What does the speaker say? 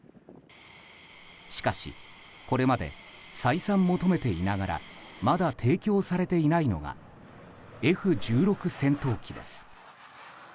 しかし、これまで再三求めていながらまだ提供されていないのがＦ１６戦闘機です。